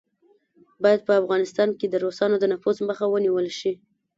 باید په افغانستان کې د روسانو د نفوذ مخه ونیوله شي.